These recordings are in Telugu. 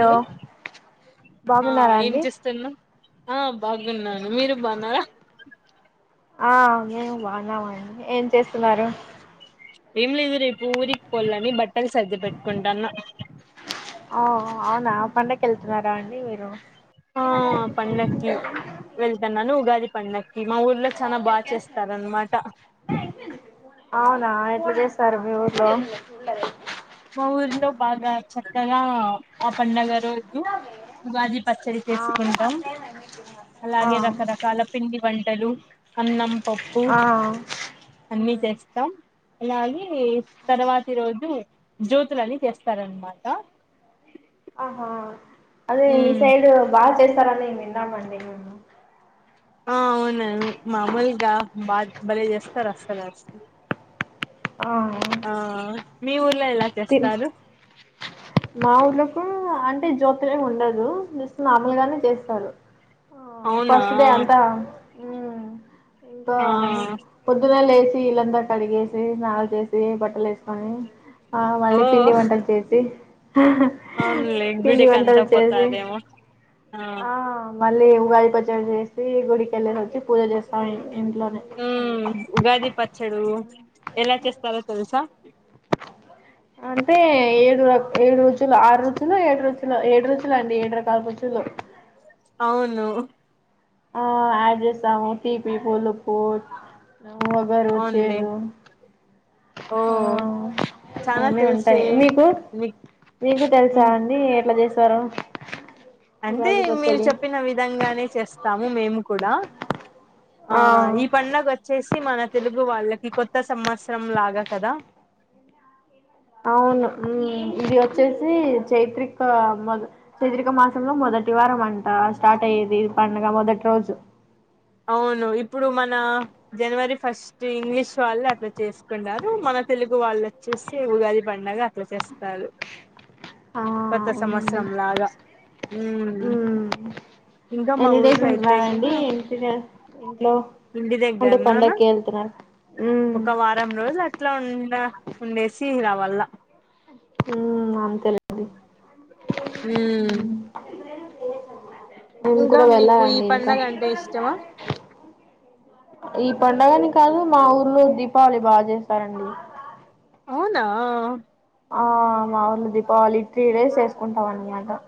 హలో ఆ బాగున్నారా ఏమ్ అండి చేస్తున్నావ్ ఆ బాగున్నాను మీరు బాన్నార ఆ మేము బాగున్నామండి ఏం చేస్తున్నారు ఏం లేదు రేపు ఊరిక్ పోల్లని బట్టలు సర్ది పెట్టుకుంటాన్న. ఆ అవునా పండక్క్ ఎళ్తున్నారా అండి మీరు ఆ పండక్కి వెళ్తన్నాను ఉగాది పండ అవునా ఎట్ల జేస్ సారు మీ ఊర్లో మా ఊర్లో బాగా చక్కగా ఆ పండగ రోజు ఉగాది పచ్చడి ఆ చేసుకుంటం, ఆ అలాగే రకరకాల పిండి. వంటలు, అన్నం, పప్పు, ఆ అన్నీ చేస్తాం. అలాగే తర్వాతి రోజు జ్యోతులని తెస్తారన్నమాట అహా అదే మీ సైడ్ బాగా చేస్తారని విన్నామండి మేము. ఆ అవును మామూలుగా బా భలే చేస్తారు అస్సలు అస్ ఆ ఆ మీ ఉ తి మా ఊర్లో తూ అంటే జ్యోతి ఏం ఉండదూ, జస్ట్ మామూలుగానే చేస్తారు. ఆ అవునా ఫస్ట్ డే అంతా మ్మ్ ఇంకా ఆ పొద్దుగాల్లేష్ సీళ్ళంతా కడిగేసీ, స్నాల్ చేేసీ, బట్టలేసుకొని. ఆ ఓ మళ్ళీ పిండి వంటలు చేసి హహ అవునులే పిండి గుడికి వంటల్ అంతా చేసి పోతారేమో ఆ మళ్ళీ ఉ ఉగాది పచ్చడ చేసీ, గుడికి ఎల్లేసొచ్చి, పూజ చేస్తామింగ. ఊమ్ ఉగాది పచ్చడూ ఎలా చేస్తారో తెలుసా అంటే ఏడుర ఏడు రుచులు ఆరు రుచులో, ఏడు రుచులో, ఏడు రుచులు అండి ఏడు రకాల రుచులు. అవును ఆ ఆడ్జేసాము పీపి పులుపు ఒగరు అవునులే చేదు ఓ ఆ చానా అవున్నీ తెలుసే ఉంటాయి మీకు మీక్ మీకు తెలుసా ఉహు అండి ఎట్లా చేసారో అంతే మీరు చెప్పిన విధంగానే చేస్తాము మేము కూడా. ఆ ఈ పని నాకొచ్చేసి తి మన తెలుగు వాళ్ళకి కొత్త సంవత్సరం లాగా కదా అవును ఊమ్ ఇది ఓచ్చేసీ చైత్రిక మొద చైత్రిక మాసంలో మొద. దటి వారం అంటా స్టార్ట్ అయ్యేది పండుగ మొదటి రోజు. అవును ఇప్పుడు మన జనవరి ఫస్ట్ ఇంగ్లీష్ వాళ్ళు అట్ల చేసుకున్నారు మన. నా తెలుగు వాళ్ళు ఒచ్చేసి ఉగాది పండగ అట్లా చేస్తారు. ఆ కొత్త అవునండి సంవత్సరం లాగా ఊమ్ మ్మ్. ఇంగ మా ఎన్ని డేస్ ఊర్లో అయితే ఉంటున్నారండి ఇగా ఇంటి అంటే పండక్కి ఎళ్తరా ఒక వారం రోజులు అట్లా ఉండ ఉండేసి ఇలా వల్ల ఉమ్ ఆంథెలీ ఉమ్ నేను ఇంకా కూడా మీకు ఈ వెళ్ళాలండి ఇంకా పండగ అంటే ఇష్టమా ఈ పండుగాని కాదు మా ఊర్లో దీపావళి బాగా చేస్తారా అవునా ఆ మా ఊళ్ళ దీపావళి త్రీ డేస్ చేసుకుంటాం అన్నమాట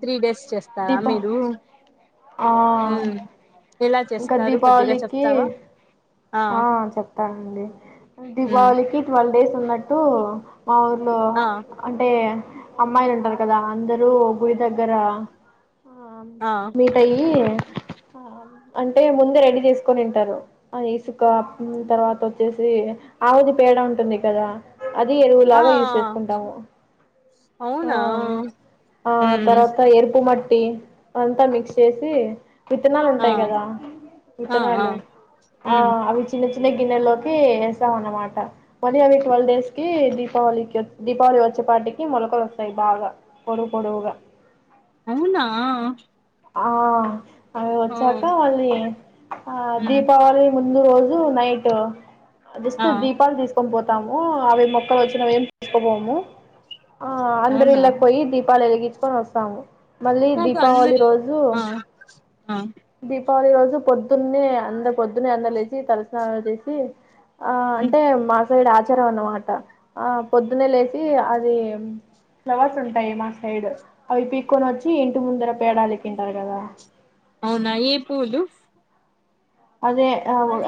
త్రీ డేస్ చేస్తారా దీపా మీరు ఆ ఉమ్ ఎలా ఇంకా చేస్తారు కొద్దిగా దీపావళికి చెప్తావా ఆ చెప్తానండి ఉమ్ దీపావళికి ట్వెల్వ్ డేస్ ఉన్నట్టు మా ఊర్లో ఆ అంటే అమ్మాయిలు ఉంటారు కదా అందరు గుడి దగ్గర ఆ మీట్ అయ్యి అంటే ముందే రెడీ చేసుకొనిటరు అదిసు తర్వాత వోచ్చేసి ఆవుది పేడ ఉంటుంది గదా అది ఆ ఎరువులాగ యూజ్ చేసుకుంటాము ఆ అవునా ఆ ఉమ్ తర్వాత ఏరుపు మట్టి అంతా మిక్స్ ఎసి విత్తనాలు ఆ ఉంటయి గదా ఆ ఆ విత్తనాలు ఆ ఉమ్ అవి చిన్న చి చిన్న గిన్నెలోకి ఎస్తాం అన్నమాట మళ్ళీ అవి టుల్వ్ డేస్ కి దీపావళికి దీపావళి వచ్చ పచ్చపాటికి మొలకలు వస్తాయి బాగ పొడువు పొడువుగా అవునా ఆ అవి ఆ వచ్చాక అది ఆ ఉమ్ దీపావళి ముందు రోజు నైట్ జస్ట్ ఆ దీపాలు తీసుకొని పో తాము అవి మొక్కలు వచ్చినవి ఎం తీసుకపోము ఆ అందరు అవునా ఇళ్ళకి పోయి దీపాలు ఎలిగించుకొని వస్తాము మళ్ళీ కాదు దీపావళి అందరూ రోజు కు ఆ ఆ దీప్ దీపావళి రోజు పొద్దున్నే అంత పొద్దునే అంత లేచి తలస్నాన చేసి ఆ ఉమ్ అంటే మా సైడ్ ఆచారం అన్నమాట ఆ పొద్దున్నే లేచి అది ఫ్లవర్స్ ఉంటాయి మా సైడ్ అవి పీక్కొని వచ్చి ఇంటి ముందర పడాలికంటారు కదా అవునా ఏ పూలు అదే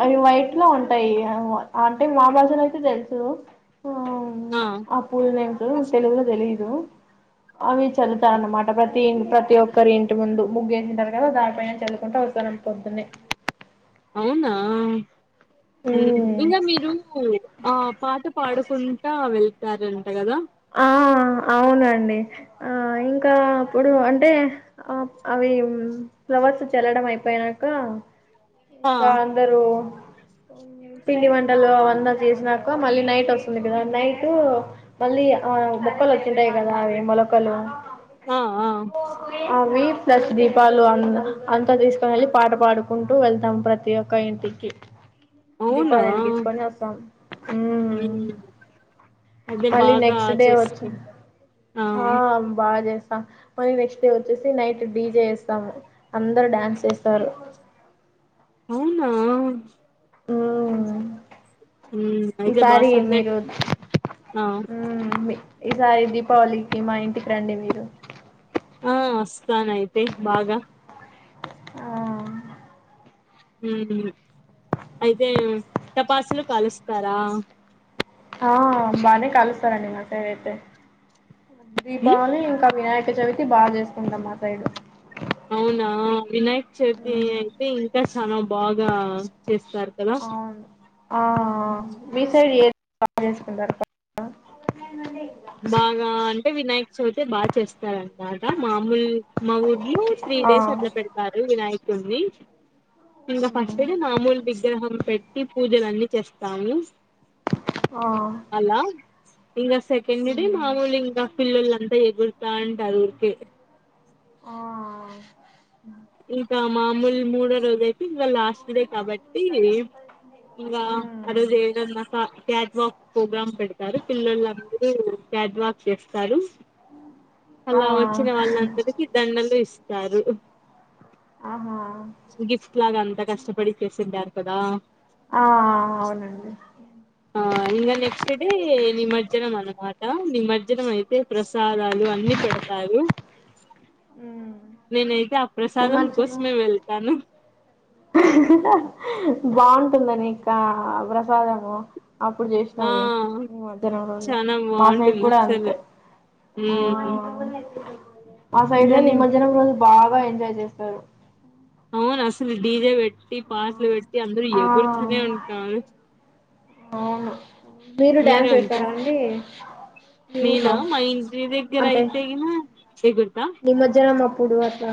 అవి వైట్ లో ఉంటాయి అంటే మా భాషలో అయితే తెలుసు ఆ ఆ పూలనేమ్ టో తెలుగులో తెలియదు అవి చల్లూ తారన్నమాట ప్రతి ప్రతి ఒక్కరి ఇంటి ముందు ముగ్గు ఎసి ఉంటారు కదా దానిపైన చల్లు కుంటా వస్తారనమాట పొద్దునే అవునా ఉమ్ ఇంగా మీరు ఆ పాత పాడుకుంటా వేస్తారంట గద ఆ ఆ అవునండి ఆ ఇంగా అప్పుడు అంటే అవి ఫ్లవర్స్ చల్లడం అయిపోయినాక ఆ ఇంగా అందరూ పిండి వంటలు అవన్ని చేసినాక మళ్ళీ నైట్ వస్తుంది కదా నైట్ మళ్ళీ మొక్కలు వోచిన్వి కదా అవి మొలకలు ఆ ఆ అవి ప్లస్ దీపాలు అ అంతా తీసుకోని వెళ్ళి పాట పాడుకుంటూ వెళ్తాం ప్రతి ఒక్క ఇంటికి అవునా దీపాలు ఎలిగించుకొని వస్తాం ఉమ్ అదే మళ్ళి బాగా నెక్స్ట్ డే వచ్చి చేసుకుంటా ఆ అ బాగ చేస్తారు మరి నెక్స్ట్ డే వచ్చేసి నైట్ డీజే వేస్తాము అందరు డ్యాన్స్ చెస్తారు [inaudible] అవునా ఉమ్ ఉమ్ అయితే బా ఈసారి సందడి మీరు ఆ ఉమ్ ఈసారి దీపావళికి మా ఇంటికి రండి మీరు ఆ వస్తాను అయితే బాగ ఆ ఉమ్ అయితే టాపాసులు కాలుస్తారా ఆ బానే కాలుస్తారండి మా సైడ్ అయితే ఉమ్ దీపావళి ఇంకా వినాయక చవితి బాగ చేసుకుంటాం మా సైడ్ అవునా వినాయక్ చవితి మ్మ్ అయితే ఇంకా చాన బాగ అవును ఆ మీ సైడ్ ఎది బాగ చేసుకుంటారు పండుగ బాగా అంటే వినాయక్ చవితే బాగ్ చేస్తారన్నమాట మా మల్ మా ఊర్లులో త్రీ ఆ డేస్ అట్ల పెడతారు వినాయకుడిని ఇంగా మ్మ్ ఫస్ట్ డే మామూలు విగ్రహం పెట్టి పూజలు అన్నీ చేస్తాము ఆ అలా ఇంగా సెకండ్ డే మ్మ్ మాముూలు ఇంగా పిల్లలు అంతా ఎగురు బాగుంటాది ఊరికే ఆ ఇంకా మామూలు మూడో రోజు అయితే ఇకా లాస్ట్ డే కాబట్టి ఇంగా మ్మ్ ఆ రోజు ఏదున్నా క్యాట్ వాక్ ప్రోగ్రామ్ పెడతారు పిల్లలుందరూ క్యాట్ వాక్ చేస్తారు ఆ అలా వచ్చిన ఆహా వాళ్ళందరికి దండలు ఇస్తారు గిఫ్ట్ లాగా అంతా కష్టపడి చేసిండారు కదా ఆ అవునండి ఆ ఇంగా నెక్స్ట్ డే నిమజ్జనం అన్నమా నిమజ్జనం అయితే ప్రసాదాలు అన్ని పెడతారు మ్మ్ నేనైతే ఆ ప్రసాదం నిమజ్జనం కోసమే వెళ్తాను బాగుంటుందని ఇంకా ప్రసాదము అప్పుడు ఆ చేసినావి ఈ మధ్యల రోజు మా సైడ్ కూడా అంతే ఆ ఉహు మా సైడ్ నిమజ్జనం రోజు బాగా ఎంజాయ్ చేస్తారు అవును అసలు డీజే పెట్టి పాటలు పెట్టి అందరూ ఆ ఎగురుతనే ఉంటారు అవును మీరు డ్యాన్స్ వేస్తారాండి మీ నేనా ఊర్లో మా ఇంటి దగ్గర అంటే అయితే గిన ఎగురుతా నిమజ్జనం అప్పుడు అట్లా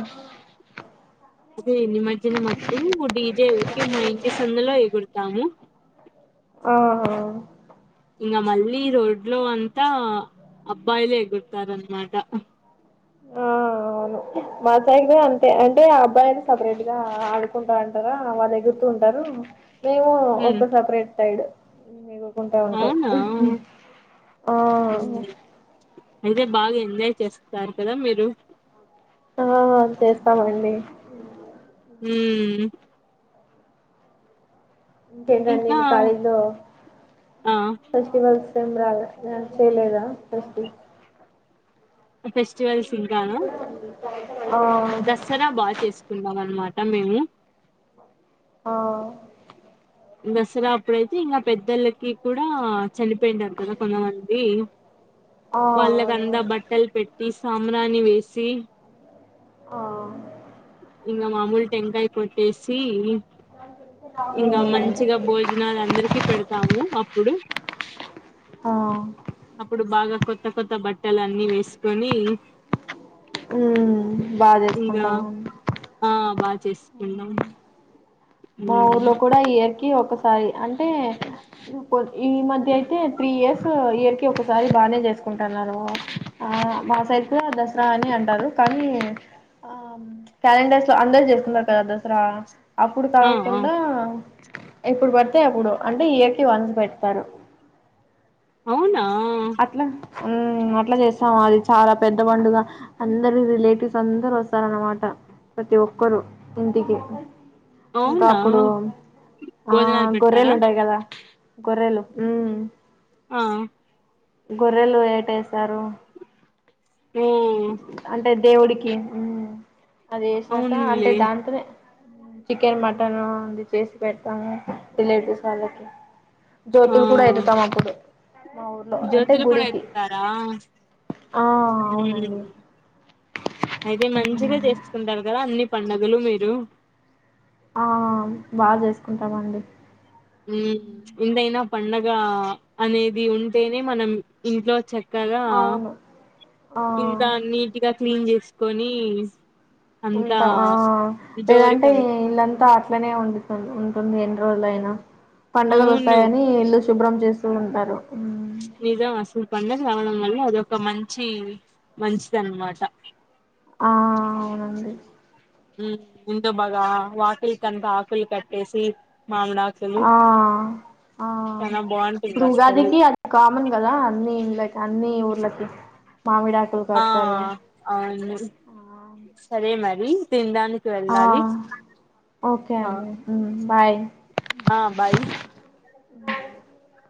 అదే నిమజ్జనం అప్పుడు డీజే ఉరికే మా ఇంటి సందులో ఎగురుతాము ఆహ ఇంగ మళ్ళీ రోడ్లో అంతా అబ్బాయిలు ఎగురుతారన్నమాట ఆ అవును మా సైడ్ అంతే అంటే ఆ అబ్బాయిలు సపరేట్ గా ఆడుకుంటా అంటారా వాళ్లు ఎగురు టారు మేము ఉమ్ ఒక సపరేట్ సైడ్ ఉంటాం అవునా ఉమ్ ఆ అయితే బాగా ఎంజాయ్ చేస్తారు కదా మీరు ఆ చేస్తామండి హూమ్ ఇంకేంటండి ఇంకా మీ కాలేజీలో ఆ ఫెస్టివల్స్ రాగా చెయ్యలేదా ఫేస్ ఫెస్టివల్స్ ఇంకాన ఆ దసరా బాగా చేసుకున్నాం ఆ అన్నమాట మేము ఆ దసరా అప్పుడయితే ఇంగా పెద్దళ్లకి కూడా చనిపోయింటారు కదా కొంతమంది ఆ ఆ వాళ్ళకంతా బట్టలు పెట్టి సాబ్రాని వేసి ఆ ఇంకా మామూలు టెంకాయ కొట్టేసి ఇంగ మంచిగా భోజనాలు అందరికి పెడతాము అప్పుడు ఆ అప్పుడు బాగ కొత్త కొత్త బట్టలన్నిీ వేసుకొని ఉ బాగా చేసుకుంటాముడి చెస్పీపన్నాం మా ఊర్లో కూడా యిర్ ఒకసారి అంటే ఈ మధ్య అయితే త్రీ ఇయర్స్ ఇర్ క ఒకసారి బాగానే చేసుకుంటున్నారు ఆ మా సైతు ఆ దసరా అని అంటారు కానీ ఆ క్యాలెండర్స్ లో అందరూ చేసుకుంటుంటారు కదా దసరా ఇప్పుడు ఆ ఆ [unintelligible] ఎప్పుడు పడితేాయి అప్పుడు అంటే ఇయర్కి వన్ పెడతారు అవునా అట్ల ఉమ్ అట్ల చేస్తాము అది చాలా పెద్ద పండుగ అందరు రిలేటివ్స్ అందరు వస్తారన్నమాట ప్రతి ఒక్కరుూ ఇంటికి ఇంకా అవునా అప్పుడు ఆ భోజనాలు గొర్రెలు పెడతారా ఉంటయి కదా కొరలు ఉ ఆ గొర్రెలు ఏ టెన వేసారు ఓ అంటే దేవుడికి అది వ ఉసినాక అంటే అవునులే దాంతోనే చికెన్ మటన్ అది చేసి పెడతాము రిలేటివ్స్ వాళ్ళకి ఆ జ్యోతి కూడాడా యితే తా మాప్పుదు మా ఊర్లో అంటే జ్యోతులు కూడా గుడిక ఎత్తుతారా ఆ అవును మ్మ్ అయితే మంచిగా చేసుకుంటారు కదా అన్ని పండగలు మీరు ఆ బాగా చేసుకుంటామండి ఉ ఎందైనా పండగ అనేది ఉంటేనే మనం ఇంట్లో చ కదా అవును ఆ ఇకా నీట్గా క్లీన్ చేసుకొని అంతా ఉంటా ఆ లేదంటే డోర్కంత ఇలంతా ఇనే ఉండు ఉంటుంది ఎన్ని రోజులు అయినా పండుగలు అవును వస్తాయని ఇల్లు శుభ్రం చే ఉంటారు నిజా అసి పడుగ రావడం వల్ల అదొక మంచి మంచిది అనమాట ఆ అవునండి హ ముందు బగా వాకిలి కంత ఆకులి కట్టేసి మామిడాకులు ఆ ఆ చానా బాగుంటుంది ఇప్పుడు అసలు ఉగాదికి అది కామన్ కదా అన్నిలకి అన్ని ఊర్లకి మామిడాకులు ఆ కడతారు అవును సరే మరి తిందానికి ఆ ఓకే ఆ అండి బాయ్ ఆ బాయ ఉహ